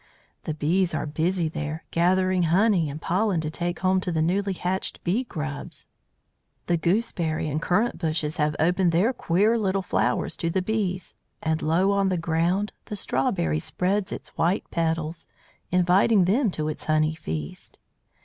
"The bees are busy there, gathering honey and pollen to take home to the newly hatched bee grubs. The gooseberry and currant bushes have opened their queer little flowers to the bees, and, low on the ground, the strawberry spreads its white petals, inviting them to its honey feast.